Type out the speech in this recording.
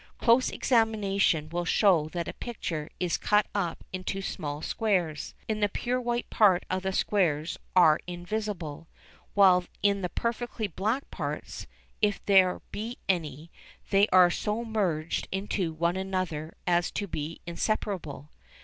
Close examination will show that such a picture is cut up into small squares. In the pure white part the squares are invisible, while in the perfectly black parts, if there be any, they are so merged into one another as to be inseparable.